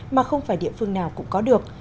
mà không phải địa phương nào cũng có được